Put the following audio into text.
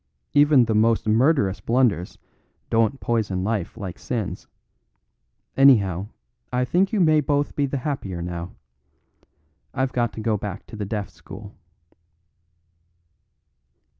Even the most murderous blunders don't poison life like sins; anyhow, I think you may both be the happier now. I've got to go back to the Deaf School."